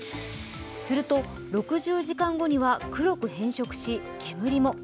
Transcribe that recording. すると６０時間後には黒く変色し煙も。